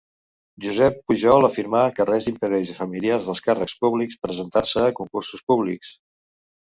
Josep Pujol afirmà que res impedeix a familiars de càrrecs públics presentar-se a concursos públics.